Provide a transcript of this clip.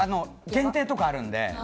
限定とかあるんで。